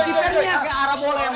gak ada yang bener dong boleh gak